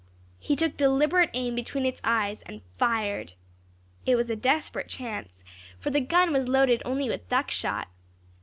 He took deliberate aim between its eyes, and fired. It was a desperate chance, for the gun was loaded only with duck shot.